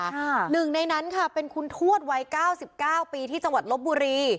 หนึ่งในนั้นค่ะเป็นคุณทวดวัยเก้าสิบเก้าปีที่จังหวัดลบบุรี